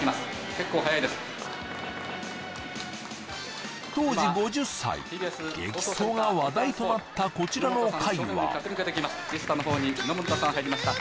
結構速いです当時５０歳激走が話題となったこちらの回はみのもんたさん入りました